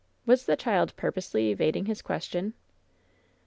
Was the child purposely evading his question?